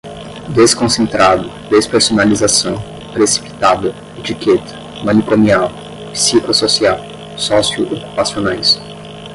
desconcentrado, despersonalização, precipitada, etiqueta, manicomial, psicossocial, sócio-ocupacionais